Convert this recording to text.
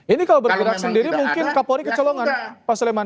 ini kalau bergerak sendiri mungkin kapolri kecolongan pak suleman